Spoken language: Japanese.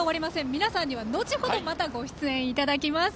皆さんには後ほど、またご出演いただきます。